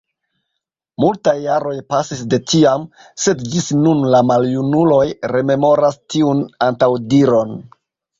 Multaj jaroj pasis de tiam, sed ĝis nun la maljunuloj rememoras tiun antaŭdiron.